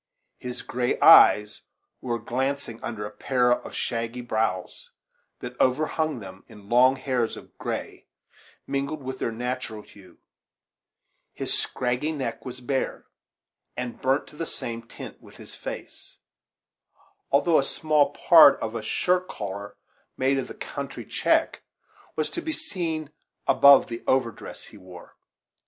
His gray eyes were glancing under a pair of shaggy brows, that over hung them in long hairs of gray mingled with their natural hue; his scraggy neck was bare, and burnt to the same tint with his face; though a small part of a shirt collar, made of the country check, was to be seen above the overdress he wore.